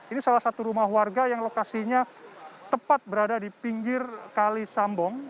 ini salah satu rumah warga yang lokasinya tepat berada di pinggir kali sambong